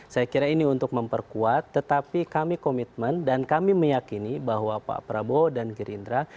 saya kira ini untuk memperkuat tetapi kami komitmen dan kami meyakini bahwa pak prabowo dan gerindra